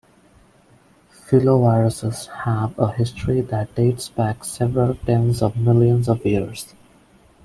Filoviruses have a history that dates back several tens of million of years.